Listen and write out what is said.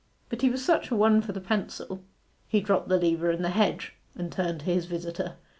But he was such a one for the pencil.' He dropped the lever in the hedge, and turned to his visitor.